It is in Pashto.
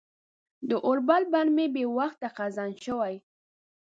د اوربل بڼ مې بې وخته خزان شوی